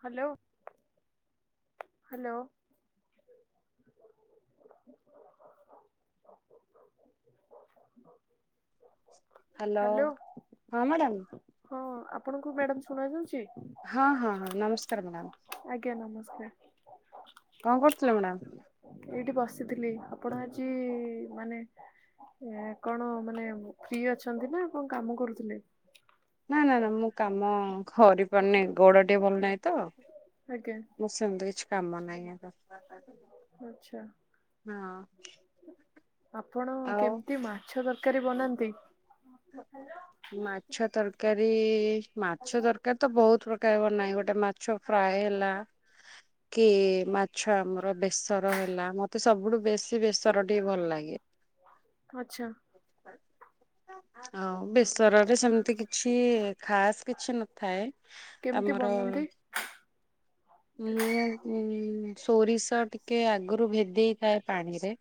Hello? Hello [inaudible] [inaudible] hello ହଁ madam. ହଁ ଆପଣଙ୍କୁ ମ୍ୟାଡାମ ଶୁଣା ଯାଉଛି? ହଁ ହଁ ହଁ ନମସ୍କାର ମ୍ୟାଡ଼ାମ ଆଜ୍ଞା ନମସ୍କାର। କଣ କରୁଥିଲେ ମ୍ୟାଡ଼ାାମ? ଏଇଠି ବସିଥିଲି ଆପଣ ଆଜି ମାନେ ଏ କଣ ମାନେ ଫ୍ରି ଅଛନ୍ତି ନା କଣ କାମ କରୁଥିଲେ। ନା ନା ନା ମୁଁ କାମ କରିପାରୁନି ଗୋଡ ଟିକେ ଭଲ ନାହିଁ ତ ଆଜ୍ଞା ମୋ ସେମିତି କିଛି କାମ ନାଇ ଆକା। ଆଚ୍ଛା ହଁ ଆପଣ ଆଉ କେମିତି ମାଛ ତରକାରୀ ବନାନ୍ତି? ମାଛ ତରକାରୀ ମାଛ ତରକାରୀ ତ ବହୁତ ପ୍ରକା ର ବନାଏ ଗୋଟେ ମାଛ ଫ୍ରାଏ ହେଲା କି ମା ଛ ଆମର ବେସର ହେଲା ମତେ ସବୁଠୁ ବେଶୀ ବେସର ଟିକେ ଭଲ ଲାଗେ। ଆଛା। ଆଉ ବେସରରେ ସେମିତି କିଛି ଖାସ୍ କିଛି ନଥାଏ। କେମିତି ବନଉନ୍ତି। ଉଁ ଉଁ ସୋରିଷ ଟିକେ ଆଗରୁ ଭେଦେଇ ଥାଏ ପାଣି ରେ।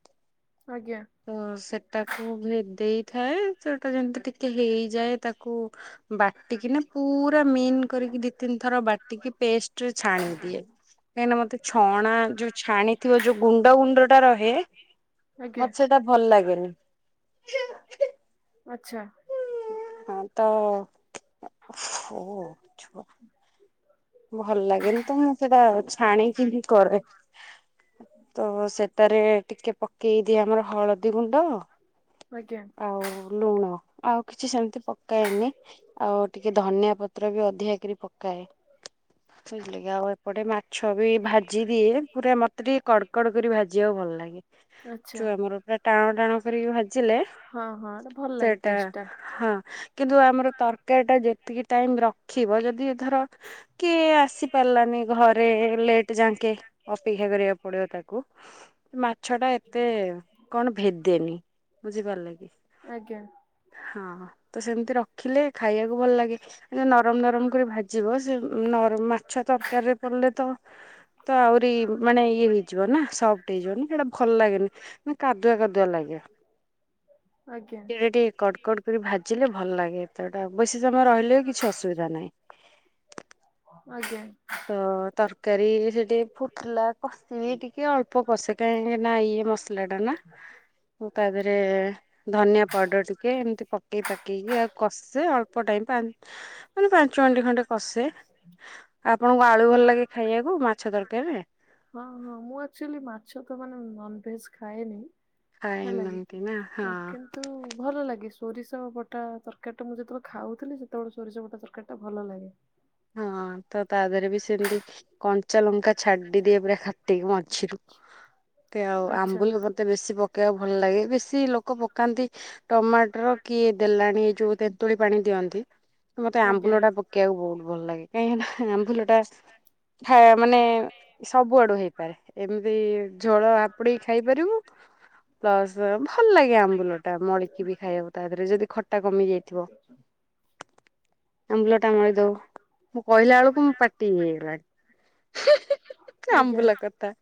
ଆଜ୍ଞା। ତ ସେଟାକୁ ଭେଦେଇଥାଏ ସେଟା ଯେମିତି ଟିକେ ହେଇଯାଏ ତାକୁ ବାଟିକି ନା ପୁରା ମିନ୍ କରିକି ଦି ତିନି ଥର ବାଟିକି ପେଷ୍ଟ ରେ ଛାଣି ଦିଏ। କାହିଁକିନା ମତେ ଛଣା ଯୋଉ ଛାଣିଥିବ ଯୋଉ ଗୁଣ୍ଡ ଗୁଣ୍ଡ ଟା ରହେ ଆଜ୍ଞା ମତେ ସେଟା ଭଲ ଲାଗେନି। ଆଛା। ହଁ ତ ଓହୋ ଛୁଆ ଭଲ ଲାଗେନି ତ ମୁଁ ସେଇଟା ଛାଣିକି ହିଁ କରେ। ତ ସେତାରେ ଟିକେ ପକେଇ ଦିଏ ଆମର ହଳଦୀ ଗୁଣ୍ଡ। ଆଜ୍ଞା। ଆଉ ଲୁଣ ଆଉ କିଛି ସେମିତି ପକାଏନି। ଆଉ ଟିକେ ଧନିଆ ପତ୍ର ବି ଅଧିକା କରି ପକାଏ। ସେଇଥିଲାଗି ଆଉ ଏ ପଟେ ମାଛ ବି ଭାଜି ଦିଏ ପୁରା ମତେ ଟିକେ କଡ କଡ କରି ଭାଜିବାକୁ ଭଲ ଲାଗେ। ଆଚ୍ଛା ଯଉ ଆମର ପୁରା ଟାଣ ଟାଣ କରିକି ଭାଜିଲେ ହଁ ହଁ ଏଟା ଭଲ ଲାଗେ ସେଇଟା ଟେଷ୍ଟ ଟା ହଁ। କିନ୍ତୁ ଆମର ତରକାରୀ ଟା ଯେତିକି ଟାଇମ ରଖିବ ଯଦି ଧର କିଏ ଆସି ପାରିଲାନି ଘ ରେ ଲେଟ ଯାଙ୍କେ ଅପେକ୍ଷା କରିବାକୁ ପଡିବ ତାକୁ ମାଛ ଟା ଏତେ କଣ ଭେଦେନି ବୁଝିପାରିଲେ। ଆଜ୍ଞା। ହଁ ତ ସେମିତି ରଖିଲେ ଖାଇବାକୁ ଭଲ ଲାଗେ ନରମ ନରମ କରି ଭାଜିବ ସେ ନରମ ମାଛ ତରକାରୀରେ ପଡ଼ିଲେ ତ ତ ଆହୁରି ମାନେ ଇଏ ହେଇଯିବ ନା ସପ ଫ୍ଟ ହେଇ ଯିବନା ସେଇଟା ଭଲ ଲାଗେନି। ନା କାଦୁଆ କାଦୁଆ ଲାଗେ ଆଜ୍ଞା ଏଇଡା ଟିକେ କଡ କଡ କରି ଭାଜିଲେ ଭଲ ଲାଗେ ତ ଏଇଟା ବେଶୀ ସମୟ ରହିଲେ ବି କିଛି ଅସୁବିଧା ନାହିଁ। ଆଜ୍ଞା। ତ ତରକାରୀ ସେ ଟିକେ ଫୁଟିଲା କଷିବି ଟିକେ ଅଳ୍ପ କଷେ କାହିଁକି ନା ଇଏ ମସ ଲା ଟାନା କୁ ତାପରେ ଧନିଆ ପାଉଡର ଟିକେ ଏମତି ପକେଇ ପାକେଇକି ଆଉ କଷେ ଅଳ୍ପ ଟାଇମ୍ ପା ମାନେ ପାଞ୍ଚ ମିନିଟ୍ ଖଣ୍ଡେ କଷେ ଆପଣଙ୍କୁ ଆଳୁ ଭଲ ଲାଗେ ଖାଇବାକୁ ମାଛ ତରକାରୀ ରେ। ହଁ ହଁ ମୁଁ ଏକ୍ଚୁଆଲି ମାଛ ତ ମାନେ ନନ ଭେଜ ଖାଏନି ହେଲାକି ଖାଏନାହାନ୍ତି ନା ହଁ ତ କି ନ୍ତୁ ଭଲ ଲାଗେ ସୋରିଷ ବଟା ତରକାରୀ ଟା ମୁଁ ଯେତେବେଳେ ଖାଉଥିଲି ସେତେବେଳେ ସୋରିଷ ବଟା ତରକାରୀ ଟା ଭଲ ଲାଗେ। ହଁ ତ ତା ଦେହରେ ବି ସେମତି କଞ୍ଚା ଲଙ୍କା ଛାଡିଦିଏ ପୁରା କାଟକି ମଝିରୁ ଏମିତି ଆଚ୍ଛା। ଆମ୍ବୁଲ ତ ମୋତେ ବେଶୀ ପକେଇବାକୁ ଭଲ ଲାଗେନୀ ବେଶୀ ଲୋକ ପକାନ୍ତି ଟମାଟର କି ଦେଲାଣି ଯୋଉ ତେନ୍ତୁଳି ପାଣି ଦିଅନ୍ତି। ମତେ ଆଜ୍ଞା। ଆମ୍ବୁଲ ଟା ପକେଇବାକୁ ବହୁତ ଭଲ ଲାଗେ କାହିଁକିନା ଆମ୍ବୁଲ ଟା ଥାଏ ମାନେ ସବୁଆଡୁ ହେଇପାରେ ଏମିତି ଝୋଳ ଆପୁଡିକି ଖାଇପାରିବୁ ପ୍ଲସ ଭଲ ଲାଗେ ଆମ୍ବୁଲ ଟା ମଳିକି ବି ଖାଇବାକୁ ତା ଦେହରେ ଯଦି ଖଟା କମି ଯାଇଥିବ। [unintelligible] ଆମ୍ବୁଲ ଟା ମଳି ଦଉ ମୁଁ କହିଲା ବେଳକୁଁ ପାଟି ହେଇ ହେଇଗଲାଣି ଆଜ୍ଞା। ଆମ୍ବୁଲା କଥା।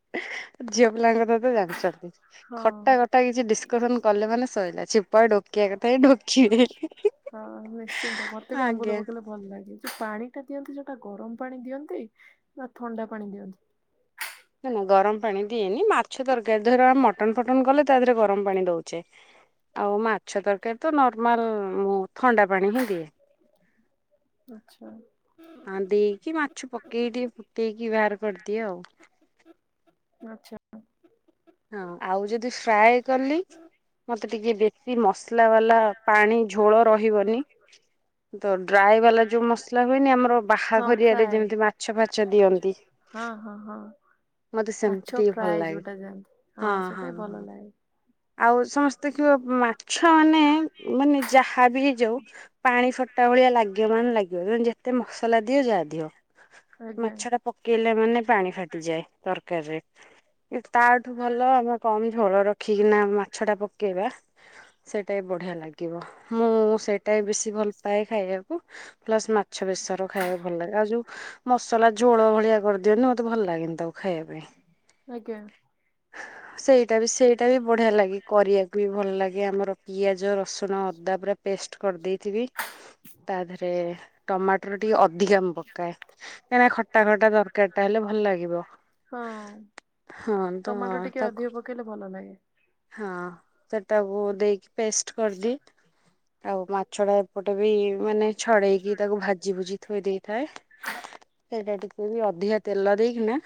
ଝିଅ ପିଲାଙ୍କ ତ ତ ଜାଣିଛନ୍ତି ହଁ। ଖଟା ଖଟା କିଛି ଡିସକସନ କଲେ ମାନେ ସରିଲାଛି। [inaudible] ହଁ ନିଶ୍ଚିନ୍ତ ମତେ ବି ଆମ୍ବୁଲ ଆଜ୍ଞା। ପକେଇ ଭଲ ଲାଗେ ଯୋଉ ପାଣି ଟା ଦିଅନ୍ତି ଯୋଉଟା ଗରମ ପାଣି ଦିଅନ୍ତି ନା ଥଣ୍ଡା ପାଣି ଦିଅନ୍ତି? ନା ନା ଗରମ ପାଣି ଦିଏନି ମା ମାଛ ତରକାରୀ ଧର ଆମେ ମଟନ ଫଟନ କଲେ ତା ଦେହରେ ଗରମ ପାଣି ଦଉଛେ। ଆଉ ମା ମାଛ ତରକାରୀ ତ ନର୍ମାଲ ମୁଁ ଥଣ୍ଡା ପାଣି ହିଁ ଦିଏ। ଆଚ୍ଛା। [unintelligible] କାଧେଇକି ମାଛ ପକେଇ ଟିଏ ଫୁଟେଇକି ବାହାର କରିଦିଏ ଆଉ। ଆଚଛା। ହଁ ଆଉ ଯଦି ଫ୍ରାଏ କଲି ମତେ ଟିକେ ବେଶୀ ମସଲା ବାଲା ପାଣି ଝୋଳ ରହିବନି ଡ୍ରାଏ ବାଲା ଯୋଉ ମସଲା ହୁଏନି ଆମର ହଁ ବାହାଘରିଆରେ ଫ୍ରାଏ। ଯେମିତି ମାଛ ଫାଚ ଦିଅନ୍ତି। ହଁ, ହଁ, ହଁ ମତେ ସେମିତି ମାଛ ଟିକେ ଭଲ ପ୍ରାୟ ଲାଗେ ଯୋଉଟା ଯୋ ହଁ ସେଟା ଭଲ ଲାଗେ। ଆଉ ସମସ୍ତେ କି ମାଛ ମାନେ ମାନେ ଯାହାବି ହେଇଯାଉ। ପାଣି ଫଟା ଭଳିଆ ଲାଗିବ ମାନେ ଲାଗିବ। ଏତେ ମସଲା ଦିଅ ଯାହା ଦିଅ ଆଜ୍ଞା ମାଛ ଟା ପକେଇଲେ ମାନେ ପାଣି ଫାଟିଯାଏ। ତରକାରୀ [inaudible] ତାଠୁ ଭଲ ଆମେ କମ ଝୋଳ ରଖିକିନା ମାଛ ଟା ପକେଇବା। ସେଇଟା ବଢିଆ ଲାଗିବ ମୁଁ ସେଇଟା ବେଶୀ ଭଲ ପାଏ ଖାଇବାକୂ। ପ୍ଲସ ମାଛ ବେସର ଖାଇବାକୁ ଭଲ ଲାଗେ ଆଉ ଯୋଉ ମସଲା ଝୋଳ ଭଳିଆ କରିଦିଅନ୍ତି ମତେ ଭଲ ଲାଗେନି ତାକୁ ଖାଇବା ପାଇଁ। ଆଜ୍ଞା। ସେଇଟା ବି ସେଇଟା ବି ବଢିଆ ଲାଗେ କରିବାକୁ ବି ଭଲ ଲାଗେ। ଆମର ପିଆଜ ରସୁଣ ଅଦା ପୁରା ପେଷ୍ଟ କରିଦେଇଥିବି ତା ଦେରେ ଟମାଟୋ ପ ଟିକେ ଅଧିକା ମୁଁ ପକାଏ କାହିଁକି ଖଟା ଖଟା ଦରକାର ଟା ହେଲେ ଭଲ ଲାଗିବ। ହଁ ହଁ ତ ଟମାଟୋ ଟିକେ ତାକୁ ଅଧିକ ପକେଇଲେ ଭଲ ଲାଗେ। ହଁ, ସେଟାକୁୁ ଦେଇକି ପେଷ୍ଟ କରିଦିଏ ଆଉ। ଛଡା ଏପଟେ ବି ମାନେ ଛଡେଇକି ତାକୁ ଭାଜି ଭୁଜି ଥୋଇ ଦେଇଥାଏ। ସେଇଟା ଟିକେ ବି ଅଧିକା ତେଲ ଦେଇକିନା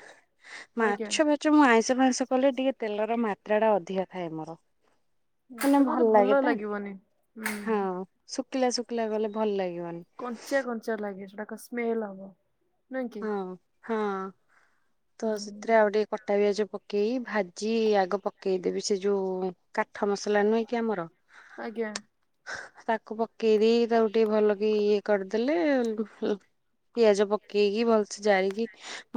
ଆଜ୍ଞା ମାଛ ଭଜ ମୁଁ ଆଇଁଷ ଫାଇଁସ କଲେ ଟିକେ ତେଲର ମାତ୍ରା ଟା ଅଧିକା ଥାଏ ମୋର। ମାଛ ହେନା ନହେଲେ ଭଲ ଲାଗେ। ତା ଲାଗିବନି ହୁଁ। ହଁ ଶୁଖିଲା ଶୁଖିଲା ଗଲେ ଭଲ ଲାଗିବନି। କଞ୍ଚା କଞ୍ଚା ଲାଗେ ସେଟା ସ୍ମେଲ ହବ। ନୁହେଁ କି ହଁ ହଁ ତ ହୁଁ ସେଥିରେ ଆଉଟିଏ କଟା ପିଆଜ ପକେଇ ଭାଜି ଆଗ ପକେଇଦେବି ସେ ଯୋଉ କାଠ ମସଲା ନୁହେଁ କି ଆମର। ଆଜ୍ଞା ତାକୁ ପକେଇ ଦେଇ ତାକୁ ଟିକେ ଭଲ କି ଇଏ କରିଦେଲେ [unintelligible] ପିଆଜ ପ ପକେଇକି ଭଲସେ ଜାରିକି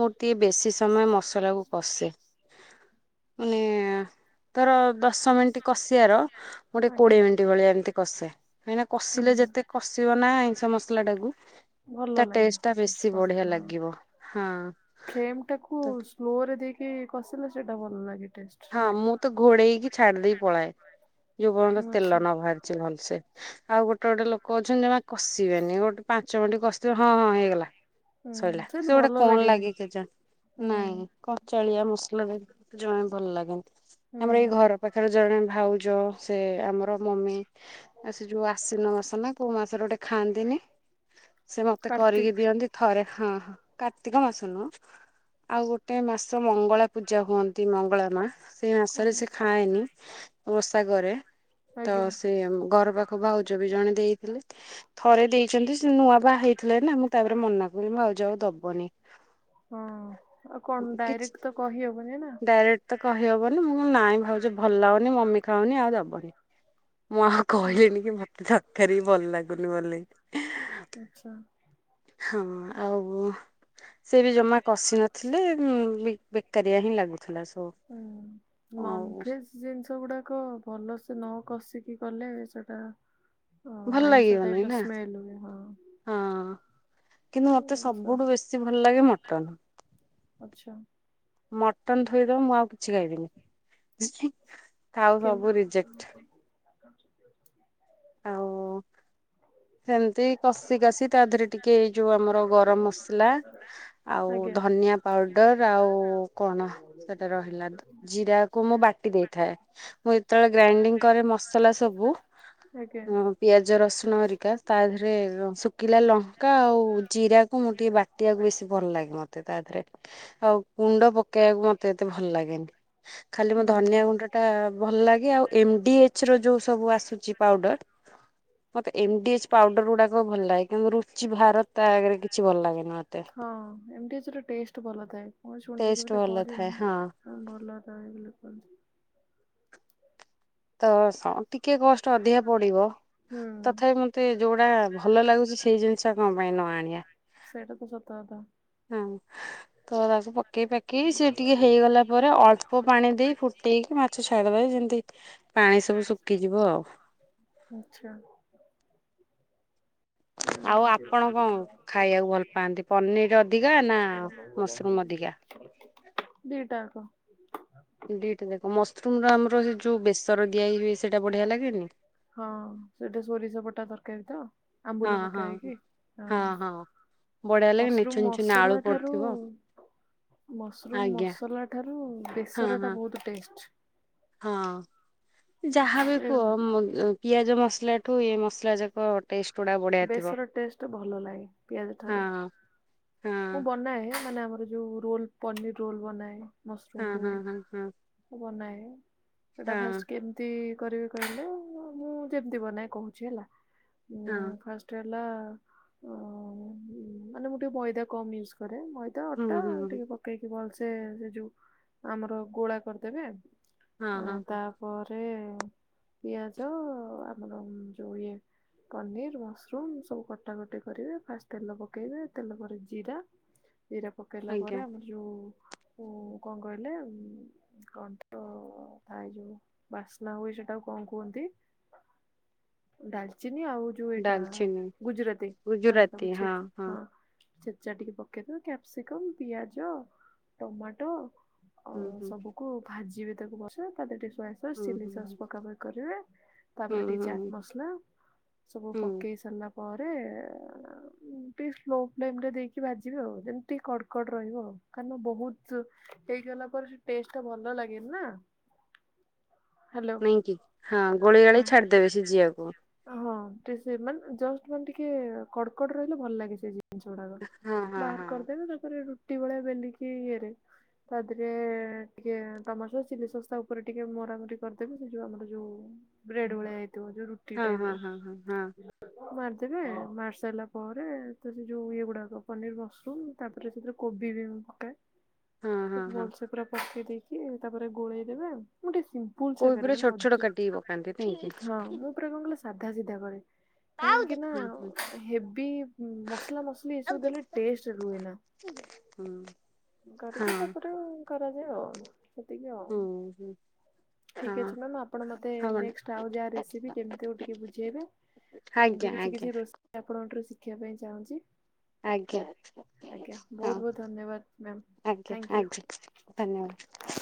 ମୁଁ ଟିକେ ବେଶୀ ସମୟ ମସଲା କୁ କଷେ। ମାନେ ତୋର ଦଶ ମିନିଟ କଷିଆର ମୁଁ ଟିକେ ଆଜ୍ଞା କୋଡିଏ ମିନିଟ୍ ଭଳିଆ ଏମିତି କଷେ କାହିଁକି ନାଆ କଷିଲେ ଯେତେ ହୁଁ। କଷ ଯୋଉନା ଆଇଁଷ ମସଲା ଟାକୁ ତା ଭଲ ଟା ଲାଗିବ ବେଶୀ ଟେଷ୍ଟ ବଢିଆ କର। ଲାଗିବ। ହଁ ଫ୍ଲେମ ଟାକୁ ତ ସ୍ଲୋ ରେ ଦେଇକି କସିଲେ ସେଟା ଭଲ ଲାଗେ ଟେଷ୍ଟ ହଁ ନାଇଁ। ମୁଁ ତ ଘୋଡେଇକି ଛାଡି ଦେଇ ପଳାଇ ଯୋଉ ପର୍ଯ୍ୟନ୍ତ ଆଚ୍ଛା ତେଲ ନ ବାହାରିଛି। ଭଲସେ ଆଉ ଗୋଟେ ଗୋଟେ ଲୋକ ଅଛନ୍ତି ଜମା କଷିବେନି ଗୋଟେ ପାଞ୍ଚ ମିନିଟ୍ କଷି ହଁ ହଁ ହେଇଗଲା ହୁଁ ସଇଲା ସେମିତି ସେ ଗୁଡା ଭଲ କଅନ ଲାଗେନି ଲାଗେ ହୁଁ କେଜାଣି କଞ୍ଚାଲିଆ ମସଲା ବି ଜଣେ ଭଲ ଲାଗେ। ହୁଁ ଆମର ଏଇ ଘର ପାଖରେ ଜଣେ ଭାଉଜ ସେ ଆମର ମମି ଆଉ ସେ ଯୋଉ ଆଶିନ ମାସ ରେ କୋଉ ମାସରେ ଗୋଟେ ଖାଆନ୍ତିନି ସେ ମତେ କରିକି କାର୍ତ୍ତିକ। ଦିଅନ୍ତି। ଥରେ ହଁ କାର୍ତ୍ତିକ ମାସ ନୁହଁ ଆଉ ଗୋଟେ ମାସ ମଙ୍ଗଳା ପୂଜା ହୁଅନ୍ତି। ମଙ୍ଗଳା ସେଇ ମାସରେ କଣ? ସେ ଖାଏନି ଓଷା କରେ ତ ଆଜ୍ଞା ସେ ଘର ପାଖକୁ ଭାଉଜ ବି ଜଣେ ଦେଇଥିଲେ। ଥରେ ଦେଇଛନ୍ତି ସେ ନୂଆ ବାହା ହେଇଥିଲେ ନା ମୁଁ ତାପରେ ମନାକରଲି ଭାଉଜ ଆଉ ଦବନି। ହଁ ଆଉ କଣ ଡାଇରେକ୍ଟ ତ କହିହବନି ନା। ଏତେ କହିହବନି ମୁଁ କଣ ନାଇଁ ଭାଉଜ ଭଲ ଲାଗୁନି ମମି ଖାଉନି ଆଉ ଦବନି। ମୁଁ କହିଲେଣି କି ମତେ ତରକାରୀ ବି ଭଲ ଲାଗୁନି ବୋଲି। ଆଛା ହଁ ଆଉ ସେ ବି ଜମା କଷି ନଥିଲେ ବେକାରିଆ ହିଁ ଲାଗୁଥିଲା ସବୁ। ଉ ନନ୍ ଆଉ ଭେଜ ଜିନିଷ ଗୁଡାକ ଭଲସେ ନ କଷିକି କଲେ ସେଟା ହଁ ଭଲ ଆଇଁଷ ଲାଗିବନି ଟାଇପ ର ନା ସ୍ମେଲ ହୁଏ। ହଁ ହଁ କିନ୍ତୁ ମତେ ଜିନିଷ ସବୁଠୁ ବେଶୀ ଭଲ ଲାଗେ ମଟନ। ଆଛା ମଟନ ଥୋଇଦବ ମୁଁ ଆଉ କିଛି ଖାଇବିନି ଆଉ କେମ ସବୁ ରିଜେକ୍ଟ। ଆଉ ହ ସେମିତି କଷି କାଷି ତା ଦେହରେ ଟିକେ ଏଇ ଯୋଉ ଆମର ଗରମ ମସଲା ଆଉ ଆଜ୍ଞା ଧନିଆ ପାଉଡର ଆଉ କଣ ସେଟା ରହିଲା ଟି ଜିରା କୁ ମୁଁ ବାଟି ଦେଇଥାଏ ମୁଁ ଯେତେବେଳେ ଗ୍ରାଇଣ୍ଡିଙ୍ଗ କରେ ମସଲା ସବୁ ଆଜ୍ଞା ହଁ ପିଆଜ ରସୁଣ ହେରିକା ତା ଦେହରେ ରସୁ ଶୁଖିଲା ଲଙ୍କା ଆଉ ଜିରାକୁ ମୁଁ ଟିକେ ବାଟିବାକୁ ବେଶୀ ଭଲ ଲାଗେ ମତେ ତା ଦେହରେ। ଆଉ ଗୁଣ୍ଡ ପକେଇବାକୁ ମତେ ଏତେ ଭଲ ଲାଗେନି। ଖାଲି ମୋ ଧନିଆ ହୁଁ। ଗୁଣ୍ଡ ଟା ଭଲ ଲାଗେ ଆଉ ଏମଡି ଏଚ ର ଯୋଉ ସବୁ ଆସୁଛି ପାଉଡର ମତେ ଏମ ଡି ଏଚ ପାଉଡର ଗୁଡାକ ଭଲ ଲାଗେ। କିନ୍ତୁ ରୁଚି ଭାରତ ତା ଆଗରେ କିଛି ଭଲ ଲାଗେନା। ହ ଏମ ଡି ଏଚ ଟେଷ୍ଟ ଭାଲଥାଏ ମୁଁ ସୁନିଚି ଟେଷ୍ଟ କେବେ ଭଲ ଥାଏ କରିନି। ହଁ ଭଲ ଥାଏ ବୋଲି କହୁଚି। ତ ଟିକେ କଷ୍ଟ ଅଧିକା ପଡିବ। ହୁଁ ତଥାପି ମତେ ଯୋଉଟା ଭଲ ଲାଗୁଛି ସେଇ ଜିନିଷ କଣ ପାଇଁ ନ ଆଣିବା। ସେଇଟା ତ ସତକଥା। ହଁ ତ ତାକୁ ପକେଇ ପକେଇ ସେ ଟିକେ ହେଇଗଲା ପରେ ଅଳପ ପ ପାଣି ଦେଇ ଫୁଟେଇକି ମାଛ ଛାଡ଼ିଦବା ଯେମିତି ପାଣି ସବୁ ଶୁଖିଯିବ ଆଉ। ଆଛା ଆଉ ଆପଣ କଣ ଖାଇବାକୁ ଭଲ ପାଆନ୍ତି ପନିର ଅଧିକା ନା ମସରୁମ ଅଧିକା? [inaudible] ଦିଟାକ ଦିଟା ଯାକ ମସରୁମ ର ଆମର ସେ ଯଉ ବେସ ଦିଆ ହୁଏ ସେଇଟା ବଢିଆ ଲାଗେନି? ହଁ ସେଟା ସୋରିଷ ପଟା ତରକାରୀ ତ, ହଁ ଆମ୍ବୁଲ ପକ ହଁ। ହେଇକି? ହଁ ବଢିଆ ଲାଗେନି ମସରୁମ ଛୁନ ଛୁନ ଆଳୁ ମସଲା ଠାରୁ ପଡିଥିବ ମସରୁମ୍ ଆଜ୍ଞା ମସଲା ଠାରୁ ହଁ ବେସର ଟା ହଁ ବହୁତ ଟେଷ୍ଟ। ହଁ ଯାହାବ କୁହ ପିଆଜ ମସଲା ଠୁ ଏ ମସଲା ଯାକ ଟେଷ୍ଟ। ଗୁଡା ବଢିଆ ଥିବ। ବେଶର ଟେଷ୍ଟ ଭଲ ଲାଗେ ପିଆଜ ହଁ ଠାରୁ। ହଁ ମୁଁ ବନାଏ ମାନେ ଆମର ଯୋଉ ରୋଲ ପନିର ରୋଲ ବନାଏ ମସରୁମ ହଁ ହଁ ରୋଲ। ହଁ ହଁ ବନାଏ ସେଟା ହଁ ଫାଷ୍ଟ କେମିତି କରିବେ କହିଲେ ମୁଁ ଯେମିତି ବନାଏ କହୁଛି ହେଲା? ହଁ ଫାଷ୍ଟ ମୁ ଟିକେ ମଇଦା କମ୍ ଇଉଜୁ କରେ ହୁଁ ଅଟା ହୁଁ। ହୁଁ। ଟିକେ ପକେଇକି ଭଲସେ ସେ ଯୋଉ ଆମର ଗୋଳା କରିଦେବେ। ହଁ ଆ ହଁ ତାପରେ ପିଆଜ ଆମର ଯୋଉ ଇଏ ପନିର୍ ମସରୁମ୍ ସବୁ କଟାକଟି କରିବେ ଫାଷ୍ଟେ ତେଲ ପକେଇବେ ତେଲ ପରେ ଜିରା ଜିରା ପକେଇଲା ଆଜ୍ଞା ପରେ ଆମର ଯୋଉ କଣ କହିଲ କଣ ତ ଥାଏ ଯୋଉ ବାସ୍ନା ହୁଏ ସେଟାକୁ କଣ କୁହନ୍ତି ଡାଲଚିନି ଆଉ ଯୋଉ ଏଇଟା ଡାଲଚିନି ଗୁଜୁରାତି ହେଲା ଗୁଜୁରାତି ତାକୁ ହଁ ଛେଚ୍ ହଁ। ଛେଚା ଟିକେ ପକେଇଦେବେ କ୍ୟାପସିକମ୍ ପିଆଜ ଟମାଟୋ ହୁଁ ଅ ହୁଁ ସବୁକୁ ଭାଜିିବେ ତାକୁ ବସି ତାପରେ ଟିକେ ସୋୟା ସସ୍‌ ଓ ହୁଁ ସିଲ୍ଲୀ ହୁଁ ସସ୍ ପକା ପକି କରିବେ ହୁଁ ତାପରେ ଟିକେ ହୁଁ ହୁଁ ଚାଟ୍ ମସଲା ସବୁ ହୁଁ ପକେଇ ସାରିଲା ପରେ ଟିକେ ସ୍ଲୋ ଫ୍ଲେମ୍ ରେ ଦେଇକି ଭାଜିବେ ଆଉ ଯେମିତି କଡ଼କଡ ରହିବ ଆଉ କାରଣ ବୋହୁତ୍ ହେଇଗଲା ପରେ ସେ ଟେଷ୍ଟେ ଟା ଭଲ ଲାଗେନି ନା। ହ୍ୟାଲୋ ନାଇଁ କି ହଁ ଗୋଳି ହଁ। ଗାଳିକି ଛାଡିଦେବେ ସେ ଝିଅ କୁ। ସିଝିବାକୁ। ହଁ ସେ ମାନେ ଜଷ୍ଟ ମାନେ ଟିକେ କଡ଼କଡ ରହିଲେ ଭଲ ଲାଗେ ସେ ଯେ ଯୋଡ଼ାକ ହଁ ହଁ ବାହାର ହଁ କରିଦେବେ ତାପରେ ରୁଟି ଭଳିଆ ବେଲିକି ଇଏରେ ତ ଏଥିରେ ଟିକେ ଟମାଟ ସସ୍‌ ଚିଲ୍ଲୀ ସସ୍ ଉପରେ ଟିକେ ମରାମରି କରିଦେବେ ସେ ଯୋଉ ଆମର ଯୋଉ। ବ୍ରେଡ଼ ଭଳିଆ ହେଇଥିବ ଯୋଉ ରୁ ଟି ହଁ ଟାଇମ୍ ହଁ ର ହଁ ହଁ ମାରିଦେବେ ମାରି ସାରିଲା ପରେ ତ ସେ ଯୋଉ ଇଏ ଗୁଡାକ ପନିର ମସରୁମ୍ ତାପରେ ସେଥିରେ କୋବି ବି ମୁଁ ପକାଏ। ହଁ ହଁ ହଁ ବଲସେ ପୁରା ପକେଇ ଦେଇକି ତାପରେ ଗୋଳେଇ ଦେବେ ମୁଁ ଟିକେ ସିମ୍ କୋନ୍‌ ସା କୋବି ଗାରେ ପୁରା ମାନେ ଛୋଟ ଛୋଟ ଅଧେ କାଟିକି ପକାନ୍ତି ନାଇଁ କି? ହଁ ମୁଁ ପୁରା କଣ ସେ ସାଧା ସିଧା କରେ ହଁ କାହିଁକି ନା ହେବି ମସଲା ମସଲି ଏସବୁ ଦେଲେ ଟେଷ୍ଟେ ରୁହେନା। ଆଉ କରାଯାଏ ଆଉ। ସେତିକି ଆଉ। ହୁଁ ହୁଁ। ଠିକ୍ ହଁ ଅଛି ମ୍ୟାମ୍ ଆପଣ ମତେ ହଁ ମ୍ୟାଡ଼ାମ। ନେଷ୍ଟେ ଆଉ ଯାହା ରେସିପି କେମିତି ଆଉ ଟିକେ ବୁଝେଇବେ। ଆଜ୍ଞା ଆଜ୍ଞା। ଆପଣଙ୍କ ଠାରୁ ଶିଖିବା ପାଇଁ ଚାହୁଁଛି। ଆଜ୍ଞା ଆଜ୍ଞା ବହୁତ ହଁ ବହୁତ ଧନ୍ୟବାଦ ମ୍ୟାମ୍ ଆଜ୍ଞା ଥ୍ୟାଙ୍କ ୟୁ। ଆଜ୍ଞା। ଧନ୍ୟବାଦ।